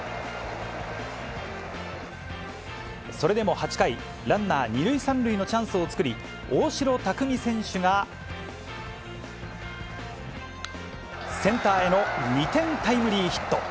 それでも８回、ランナー２塁３塁のチャンスを作り、大城卓三選手が、センターへの２点タイムリーヒット。